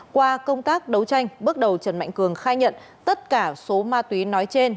qua công tác đấu tranh bước đầu trần mạnh cường khai nhận tất cả số ma túy nói trên